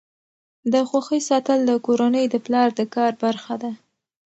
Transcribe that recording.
د خوښۍ ساتل د کورنۍ د پلار د کار برخه ده.